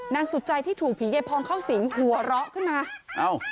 นางสุจัยที่ถูกผีเยพองเข้าสิงหัวเราะขึ้นมา